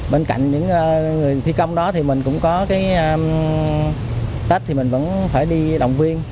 bên cạnh những người thi công đó thì mình cũng có cái tết thì mình vẫn phải đi động viên